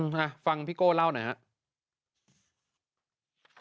ฮะฟังพี่โก้เล่าหน่อยครับ